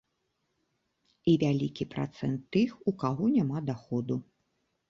І вялікі працэнт тых, у каго няма даходу.